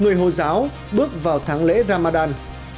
người hồ giáo bước vào tháng lễ ramadan